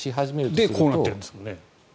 こうなってるんですよね。